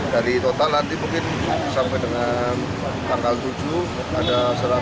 dari total nanti mungkin sampai dengan tanggal tujuh ada satu ratus lima puluh